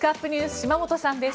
島本さんです。